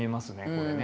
これね。